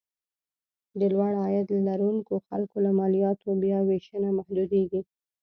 د لوړ عاید لرونکو خلکو له مالیاتو بیاوېشنه محدودېږي.